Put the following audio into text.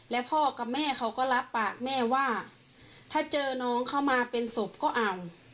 แล้วพ่อกับแม่เขาก็รับปากแม่ว่าถ้าเจอน้องเข้ามาเป็นศพก็อ่าน